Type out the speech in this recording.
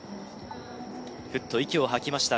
フッと息を吐きました